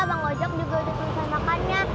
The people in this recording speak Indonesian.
bang ojak juga udah selesai makannya